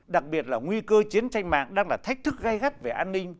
đặc biệt là nguy cơ chiến tranh mạng đang là thách thức gây gắt về an ninh